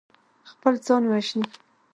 خپل ځان وژني.